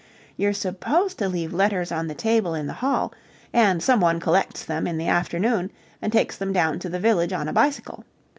You're supposed to leave letters on the table in the hall, and someone collects them in the afternoon and takes them down to the village on a bicycle.